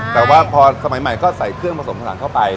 แต่ว่าพอสมัยใหม่ก็ใส่เครื่องผสมผนังเข้าไป